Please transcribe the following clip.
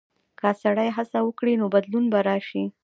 که سړی هڅه وکړي، نو بدلون به راشي.